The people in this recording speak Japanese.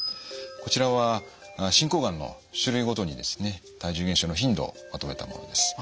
こちらは進行がんの種類ごとにですね体重減少の頻度をまとめたものです。